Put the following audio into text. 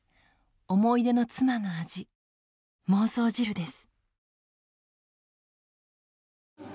思い出の妻の味孟宗汁です。